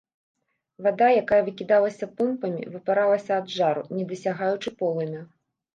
Вада, якая выкідалася помпамі, выпаралася ад жару, не дасягаючы полымя.